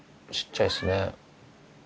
小っちゃいですね。